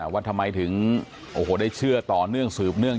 ว่าทำไมถึงโอ้โหได้เชื่อต่อเนื่องสืบเนื่อง